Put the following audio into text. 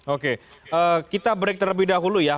oke kita break terlebih dahulu ya